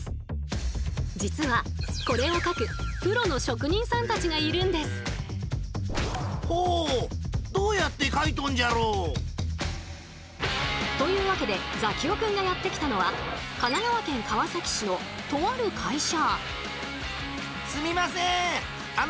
実はこれを描くプロの職人さんたちがいるんです。というわけでザキオくんがやって来たのは神奈川県川崎市のとある会社。